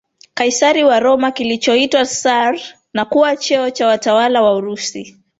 Kaisari wa Roma kilichoitwa tsar na kuwa cheo cha watawala wa Urusi